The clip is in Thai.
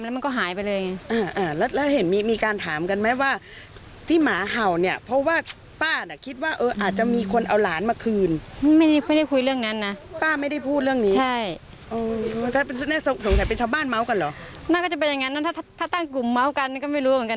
น่าจะแย่งงั้นถ้าเกลือกลุ่มเมืองเมืองเหมือนกันไม่รู้